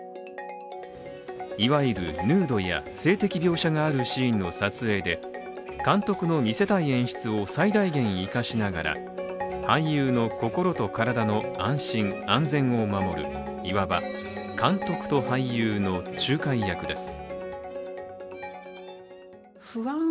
いわゆるヌードや性的描写があるシーンの撮影で監督の見せたい演出を最大限生かしながら俳優の心と体の安心・安全を守るいわば監督と俳優の仲介役です。